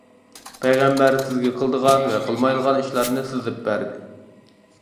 پەيغەمبەر سىزگە قىلىدىغان ۋە قىلمايدىغان ئىشلارنى سىزىپ بەردى.